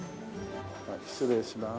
失礼します。